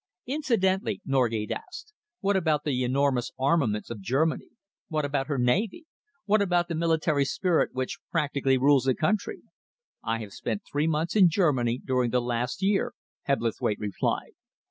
"Incidentally," Norgate asked, "what about the enormous armaments of Germany? What about her navy? What about the military spirit which practically rules the country?" "I have spent three months in Germany during the last year," Hebblethwaite replied.